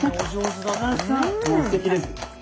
・もうすてきです。